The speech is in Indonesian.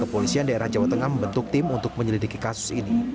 kepolisian daerah jawa tengah membentuk tim untuk menyelidiki kasus ini